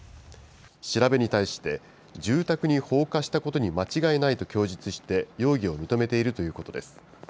調べに対して、住宅に放火したことに間違いないと供述して容疑を認めているということです。